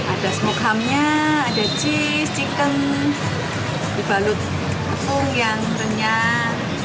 ada smoke hamnya ada cheese chicken dibalut apung yang renyah